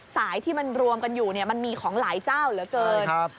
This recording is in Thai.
สายที่มันรวมกันอยู่มันมีของหลายเจ้าเหลือเกิน